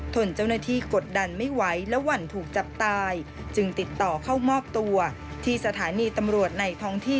เจ้าหน้าที่กดดันไม่ไหวและหวั่นถูกจับตายจึงติดต่อเข้ามอบตัวที่สถานีตำรวจในท้องที่